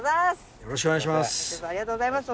よろしくお願いします。